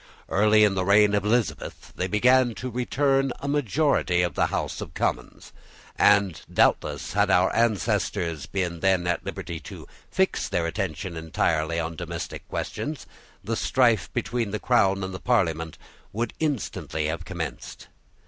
Early in the reign of Elizabeth they began to return a majority of the House of Commons. And doubtless had our ancestors been then at liberty to fix their attention entirely on domestic questions, the strife between the Crown and the Parliament would instantly have commenced.